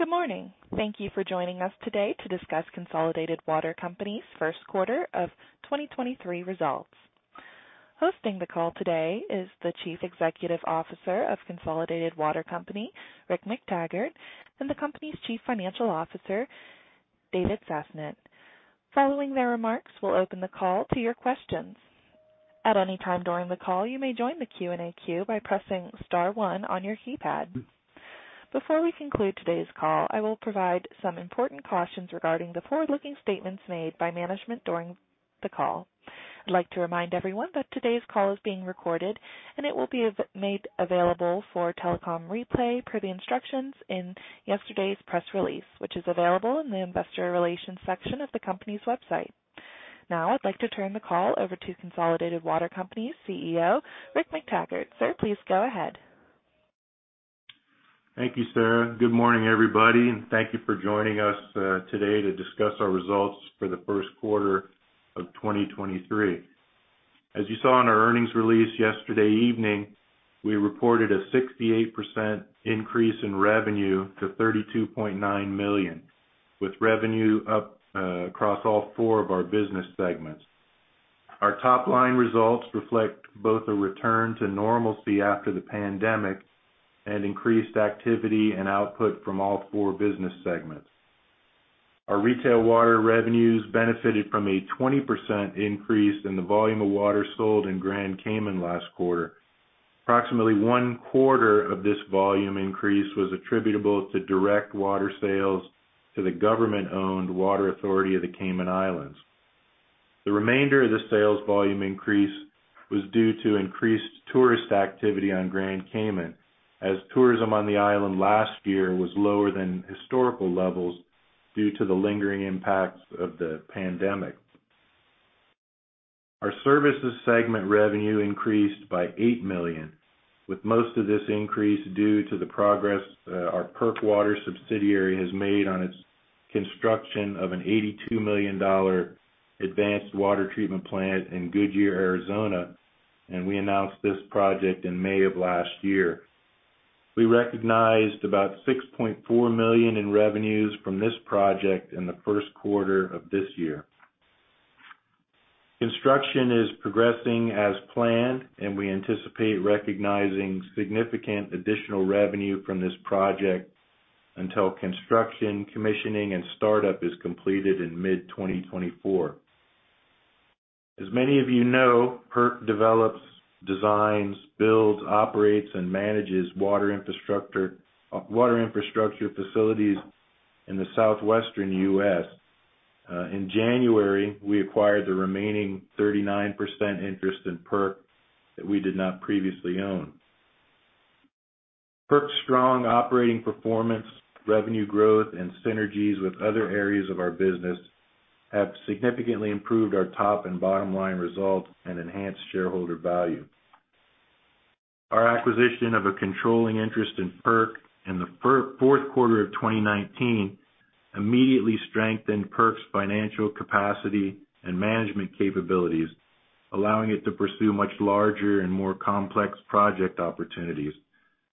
Good morning. Thank you for joining us today to discuss Consolidated Water Company's first quarter of 2023 results. Hosting the call today is the Chief Executive Officer of Consolidated Water Company, Frederick McTaggart, and the company's Chief Financial Officer, David Sasnett. Following their remarks, we'll open the call to your questions. At any time during the call, you may join the Q&A queue by pressing star one on your keypad. Before we conclude today's call, I will provide some important cautions regarding the forward-looking statements made by management during the call. I'd like to remind everyone that today's call is being recorded, and it will be made available for telecom replay per the instructions in yesterday's press release, which is available in the investor relations section of the company's website. Now I'd like to turn the call over to Consolidated Water Company's CEO, Frederick McTaggart. Sir, please go ahead. Thank you, Sarah. Good morning, everybody, and thank you for joining us today to discuss our results for the first quarter of 2023. As you saw in our earnings release yesterday evening, we reported a 68% increase in revenue to $32.9 million, with revenue up across all four of our business segments. Our top-line results reflect both a return to normalcy after the pandemic and increased activity and output from all four business segments. Our retail water revenues benefited from a 20% increase in the volume of water sold in Grand Cayman last quarter. Approximately one-quarter of this volume increase was attributable to direct water sales to the government-owned Water Authority of the Cayman Islands. The remainder of the sales volume increase was due to increased tourist activity on Grand Cayman, as tourism on the island last year was lower than historical levels due to the lingering impacts of the pandemic. Our services segment revenue increased by $8 million, with most of this increase due to the progress our PERC Water subsidiary has made on its construction of an $82 million advanced water treatment plant in Goodyear, Arizona, and we announced this project in May of last year. We recognized about $6.4 million in revenues from this project in the first quarter of this year. Construction is progressing as planned, and we anticipate recognizing significant additional revenue from this project until construction, commissioning, and startup is completed in mid-2024. As many of you know, Perc develops, designs, builds, operates, and manages water infrastructure facilities in the southwestern US. In January, we acquired the remaining 39% interest in Perc that we did not previously own. Perc's strong operating performance, revenue growth, and synergies with other areas of our business have significantly improved our top and bottom line result and enhanced shareholder value. Our acquisition of a controlling interest in Perc in the fourth quarter of 2019 immediately strengthened Perc's financial capacity and management capabilities, allowing it to pursue much larger and more complex project opportunities,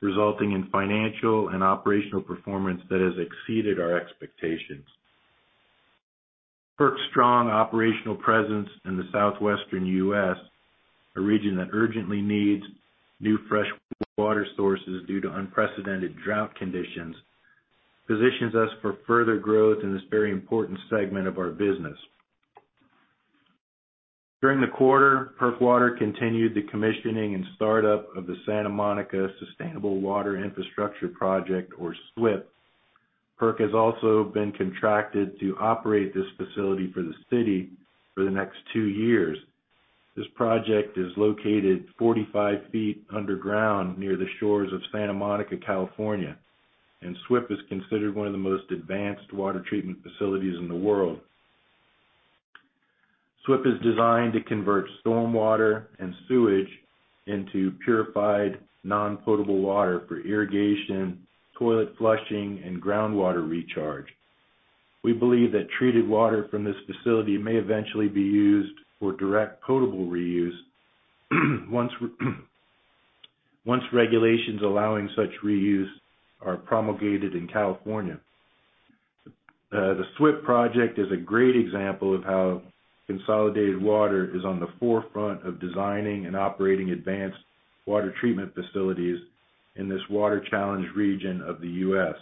resulting in financial and operational performance that has exceeded our expectations. Perc's strong operational presence in the southwestern US, a region that urgently needs new fresh water sources due to unprecedented drought conditions, positions us for further growth in this very important segment of our business. During the quarter, Perc Water continued the commissioning and startup of the Santa Monica Sustainable Water Infrastructure Project, or SWIP. Perc has also been contracted to operate this facility for the city for the next 2 years. This project is located 45 feet underground near the shores of Santa Monica, California. SWIP is considered one of the most advanced water treatment facilities in the world. SWIP is designed to convert stormwater and sewage into purified non-potable water for irrigation, toilet flushing, and groundwater recharge. We believe that treated water from this facility may eventually be used for direct potable reuse once regulations allowing such reuse are promulgated in California. The SWIP project is a great example of how Consolidated Water is on the forefront of designing and operating advanced water treatment facilities in this water-challenged region of the U.S.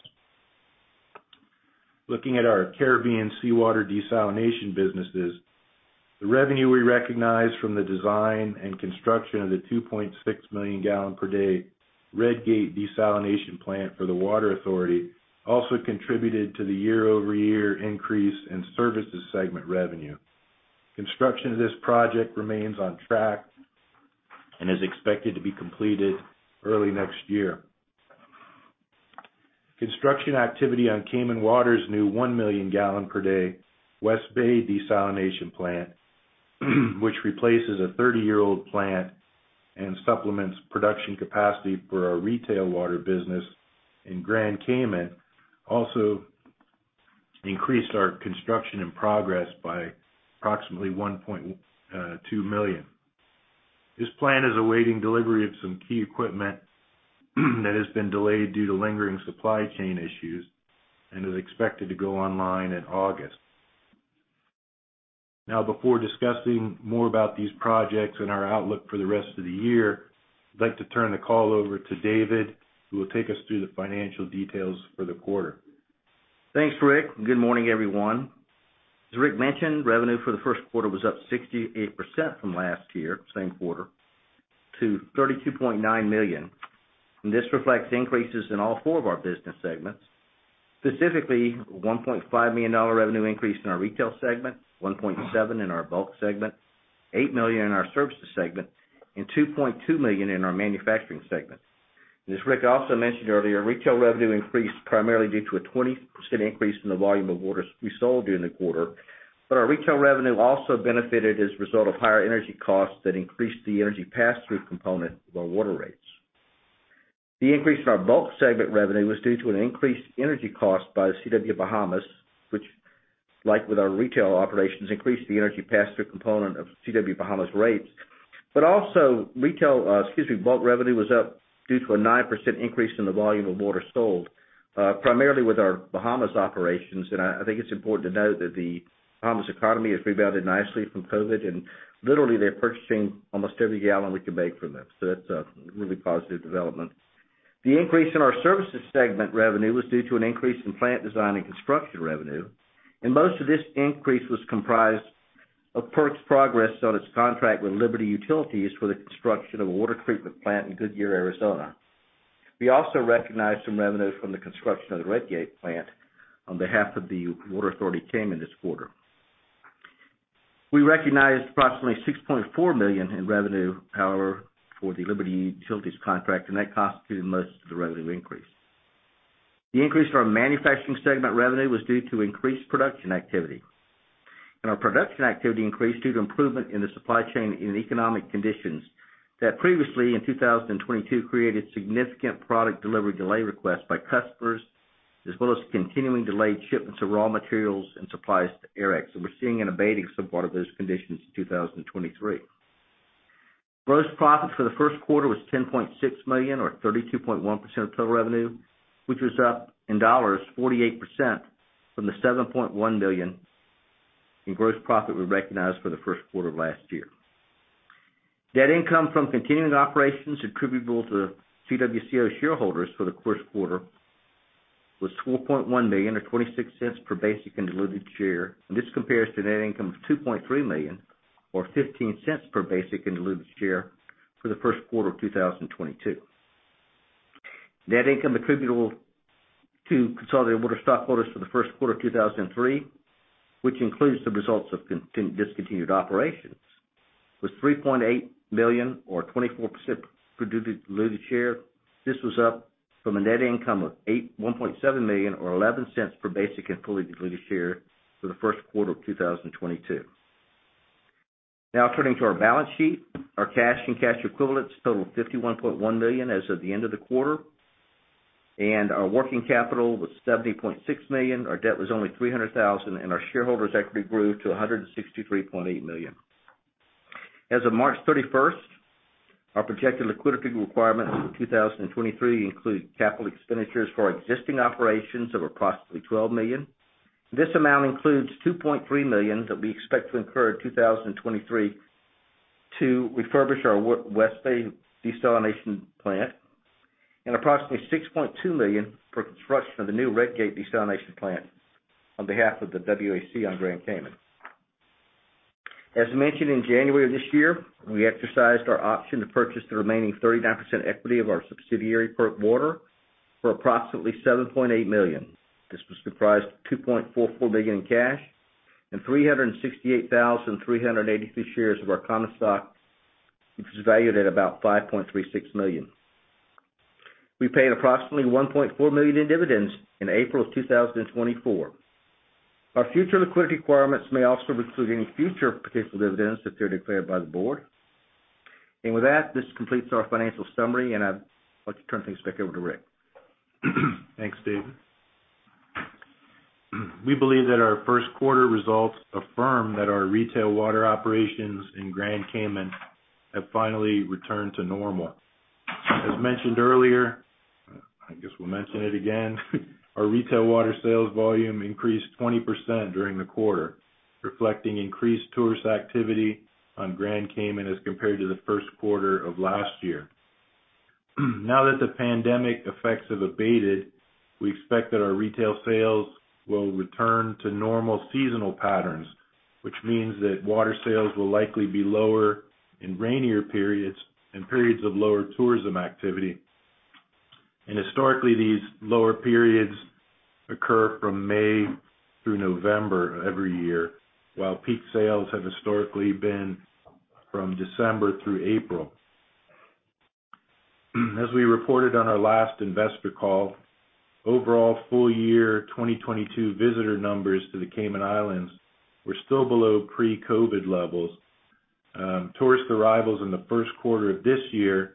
Looking at our Caribbean seawater desalination businesses, the revenue we recognized from the design and construction of the 2.6 million gallon per day Red Gate desalination plant for the Water Authority also contributed to the year-over-year increase in services segment revenue. Construction of this project remains on track and is expected to be completed early next year. Construction activity on Cayman Water's new 1 million gallon per day West Bay desalination plant, which replaces a 30-year-old plant and supplements production capacity for our retail water business in Grand Cayman, also increased our construction in progress by approximately $1.2 million. This plan is awaiting delivery of some key equipment that has been delayed due to lingering supply chain issues and is expected to go online in August. Before discussing more about these projects and our outlook for the rest of the year, I'd like to turn the call over to David Sasnett, who will take us through the financial details for the quarter. Thanks, Frederick McTaggart. Good morning, everyone. As Frederick McTaggart mentioned, revenue for the first quarter was up 68% from last year, same quarter, to $32.9 million. This reflects increases in all four of our business segments. Specifically, a $1.5 million revenue increase in our retail segment, $1.7 million in our bulk segment, $8 million in our services segment, and $2.2 million in our manufacturing segment. As Frederick McTaggart also mentioned earlier, retail revenue increased primarily due to a 20% increase in the volume of waters we sold during the quarter. Our retail revenue also benefited as a result of higher energy costs that increased the energy pass-through component of our water rates. The increase in our bulk segment revenue was due to an increased energy cost by CW Bahamas, which, like with our retail operations, increased the energy pass-through component of CW Bahamas rates. Also, excuse me, bulk revenue was up due to a 9% increase in the volume of water sold, primarily with our Bahamas operations. I think it's important to note that the Bahamas economy has rebounded nicely from COVID, literally, they're purchasing almost every gallon we can make from them, that's a really positive development. The increase in our services segment revenue was due to an increase in plant design and construction revenue, most of this increase was comprised of PERC's progress on its contract with Liberty Utilities for the construction of a water treatment plant in Goodyear, Arizona. We also recognized some revenue from the construction of the Red Gate plant on behalf of the Water Authority-Cayman this quarter. We recognized approximately $6.4 million in revenue, however, for the Liberty Utilities contract, that constituted most of the revenue increase. The increase to our manufacturing segment revenue was due to increased production activity. Our production activity increased due to improvement in the supply chain and economic conditions that previously, in 2022, created significant product delivery delay requests by customers, as well as continuing delayed shipments of raw materials and supplies to Aerex. We're seeing an abating of some part of those conditions in 2023. Gross profit for the first quarter was $10.6 million or 32.1% of total revenue, which was up, in dollars, 48% from the $7.1 million in gross profit we recognized for the first quarter of last year. Net income from continuing operations attributable to CWCO shareholders for the first quarter was $4.1 million or $0.26 per basic and diluted share. This compares to net income of $2.3 million or $0.15 per basic and diluted share for the first quarter of 2022. Net income attributable to Consolidated Water stockholders for the first quarter of 2023, which includes the results of discontinued operations, was $3.8 million or $0.24 per diluted share. This was up from a net income of $1.7 million or $0.11 per basic and fully diluted share for the first quarter of 2022. Turning to our balance sheet. Our cash and cash equivalents total $51.1 million as of the end of the quarter. Our working capital was $70.6 million. Our debt was only $300,000, and our shareholders' equity grew to $163.8 million. As of March 31st, our projected liquidity requirements for 2023 include capital expenditures for our existing operations of approximately $12 million. This amount includes $2.3 million that we expect to incur in 2023 to refurbish our West Bay Desalination Plant, approximately $6.2 million for construction of the new Red Gate Desalination Plant on behalf of the WAC on Grand Cayman. As mentioned in January of this year, we exercised our option to purchase the remaining 39% equity of our subsidiary, PERC Water, for approximately $7.8 million. This was comprised of $2.44 million in cash and 368,383 shares of our common stock, which was valued at about $5.36 million. We paid approximately $1.4 million in dividends in April of 2024. Our future liquidity requirements may also include any future potential dividends if they're declared by the board. With that, this completes our financial summary, and I'd like to turn things back over to Frederick McTaggart. Thanks, David Sasnett. We believe that our first quarter results affirm that our retail water operations in Grand Cayman have finally returned to normal. As mentioned earlier, I guess we'll mention it again, our retail water sales volume increased 20% during the quarter, reflecting increased tourist activity on Grand Cayman as compared to the first quarter of last year. Now that the pandemic effects have abated, we expect that our retail sales will return to normal seasonal patterns, which means that water sales will likely be lower in rainier periods and periods of lower tourism activity. Historically, these lower periods occur from May through November every year, while peak sales have historically been from December through April. As we reported on our last investor call, overall full year 2022 visitor numbers to the Cayman Islands were still below pre-COVID levels. Tourist arrivals in the 1st quarter of this year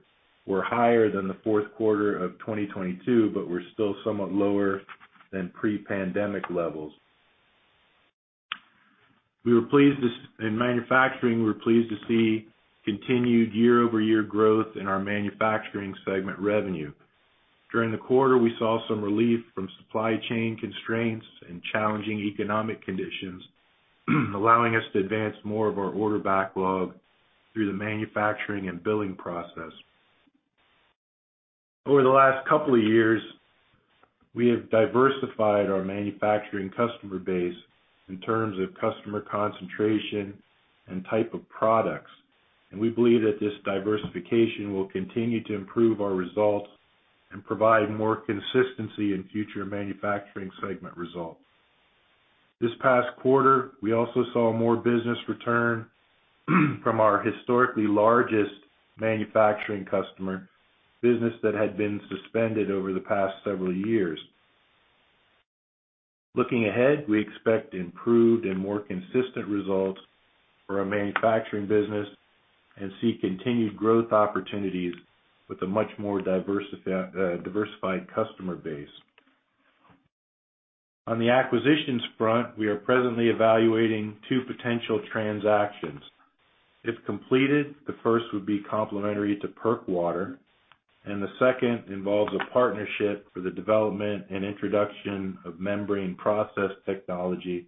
were higher than the 4th quarter of 2022, but were still somewhat lower than pre-pandemic levels. In manufacturing, we're pleased to see continued year-over-year growth in our manufacturing segment revenue. During the quarter, we saw some relief from supply chain constraints and challenging economic conditions, allowing us to advance more of our order backlog through the manufacturing and billing process. Over the last couple of years, we have diversified our manufacturing customer base in terms of customer concentration and type of products, and we believe that this diversification will continue to improve our results and provide more consistency in future manufacturing segment results. This past quarter, we also saw more business return from our historically largest manufacturing customer, business that had been suspended over the past several years. Looking ahead, we expect improved and more consistent results for our manufacturing business and see continued growth opportunities with a much more diversified customer base. On the acquisitions front, we are presently evaluating two potential transactions. If completed, the first would be complementary to PERC Water, and the second involves a partnership for the development and introduction of membrane process technology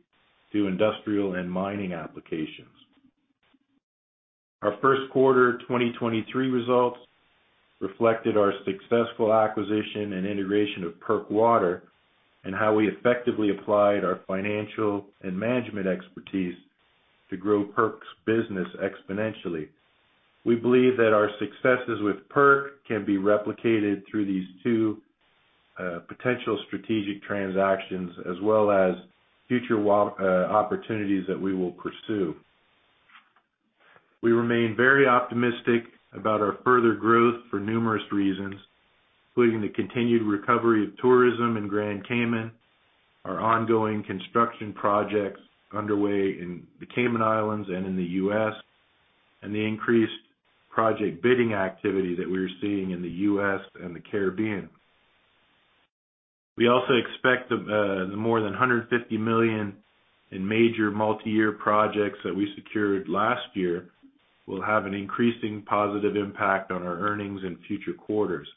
to industrial and mining applications. Our first quarter 2023 results reflected our successful acquisition and integration of PERC Water and how we effectively applied our financial and management expertise to grow PERC's business exponentially. We believe that our successes with PERC can be replicated through these two potential strategic transactions as well as future opportunities that we will pursue. We remain very optimistic about our further growth for numerous reasons, including the continued recovery of tourism in Grand Cayman, our ongoing construction projects underway in the Cayman Islands and in the US, and the increased project bidding activity that we are seeing in the US and the Caribbean. We also expect the more than $150 million in major multi-year projects that we secured last year will have an increasing positive impact on our earnings in future quarters.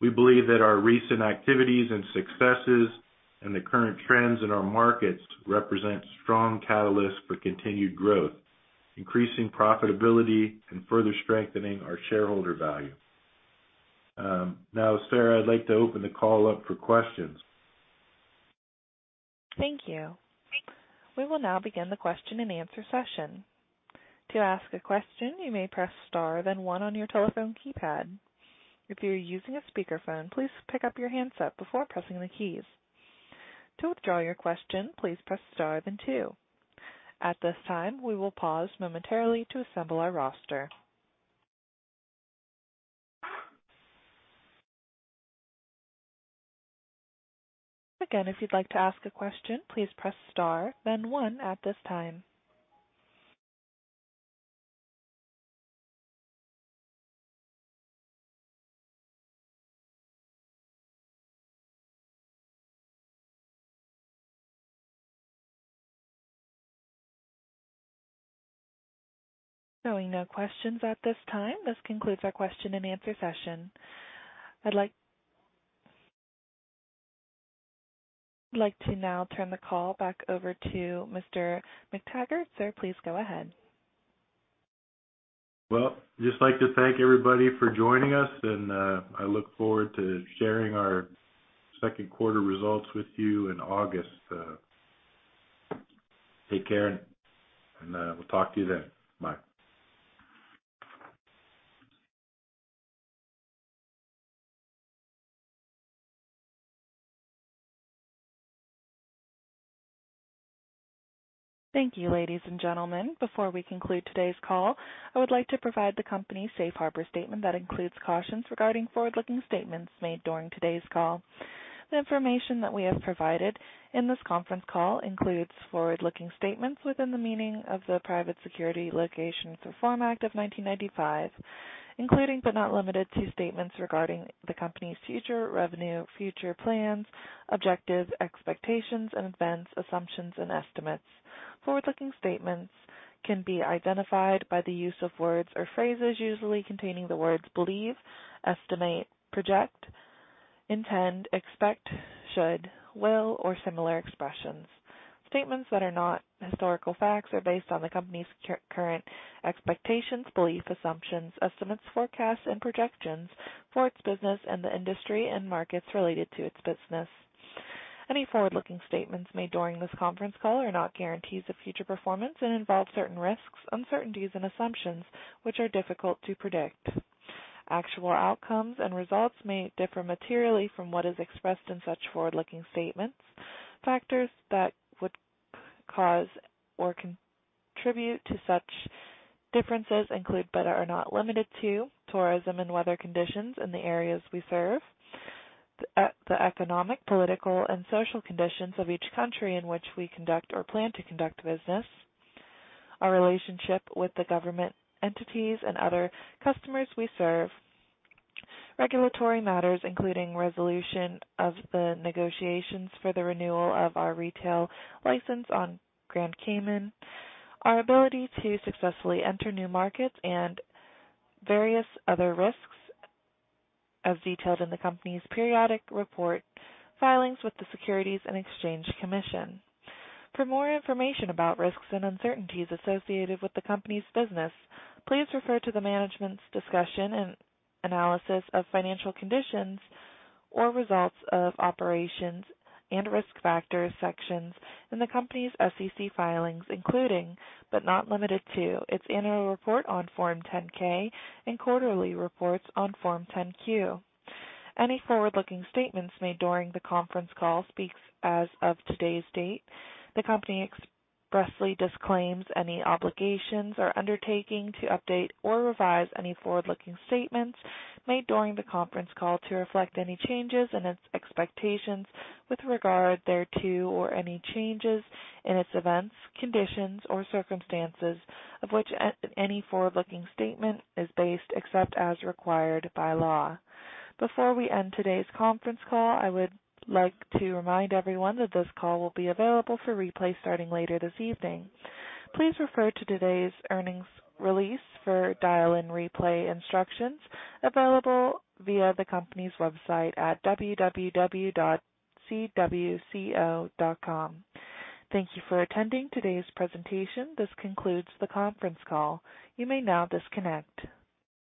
We believe that our recent activities and successes and the current trends in our markets represent strong catalysts for continued growth, increasing profitability, and further strengthening our shareholder value. Sarah, I'd like to open the call up for questions. Thank you. We will now begin the question-and-answer session. To ask a question, you may press star then one on your telephone keypad. If you're using a speakerphone, please pick up your handset before pressing the keys. To withdraw your question, please press star then two. At this time, we will pause momentarily to assemble our roster. Again, if you'd like to ask a question, please press star then one at this time. Showing no questions at this time, this concludes our question-and-answer session. I'd like to now turn the call back over to Mr. Frederick McTaggart. Sir, please go ahead. Just like to thank everybody for joining us and I look forward to sharing our second quarter results with you in August. Take care and we'll talk to you then. Bye. Thank you, ladies and gentlemen. Before we conclude today's call, I would like to provide the company's safe harbor statement that includes cautions regarding forward-looking statements made during today's call. The information that we have provided in this conference call includes forward-looking statements within the meaning of the Private Securities Litigation Reform Act of 1995, including but not limited to statements regarding the company's future revenue, future plans, objectives, expectations and events, assumptions and estimates. Forward-looking statements can be identified by the use of words or phrases usually containing the words believe, estimate, project, intend, expect, should, will, or similar expressions. Statements that are not historical facts are based on the company's current expectations, beliefs, assumptions, estimates, forecasts and projections for its business and the industry and markets related to its business. Any forward-looking statements made during this conference call are not guarantees of future performance and involve certain risks, uncertainties and assumptions which are difficult to predict. Actual outcomes and results may differ materially from what is expressed in such forward-looking statements. Factors that would cause or contribute to such differences include, but are not limited to, tourism and weather conditions in the areas we serve. The economic, political, and social conditions of each country in which we conduct or plan to conduct business, our relationship with the government entities and other customers we serve, regulatory matters, including resolution of the negotiations for the renewal of our retail license on Grand Cayman, our ability to successfully enter new markets and various other risks as detailed in the company's periodic report filings with the Securities and Exchange Commission. For more information about risks and uncertainties associated with the company's business, please refer to the management's discussion and analysis of financial conditions or results of operations and risk factors sections in the company's SEC filings, including but not limited to, its annual report on Form 10-K and quarterly reports on Form 10-Q. Any forward-looking statements made during the conference call speaks as of today's date. The company expressly disclaims any obligations or undertaking to update or revise any forward-looking statements made during the conference call to reflect any changes in its expectations with regard thereto or any changes in its events, conditions or circumstances of which any forward-looking statement is based except as required by law. Before we end today's conference call, I would like to remind everyone that this call will be available for replay starting later this evening. Please refer to today's earnings release for dial-in replay instructions available via the company's website at www.cwco.com. Thank you for attending today's presentation. This concludes the conference call. You may now disconnect.